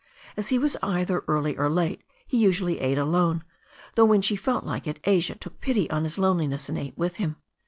As he was either early or late he usually ate alone, though when she felt like it Asia took pity on his loneliness and ate with him.